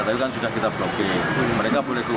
tapi kan sudah kita blocking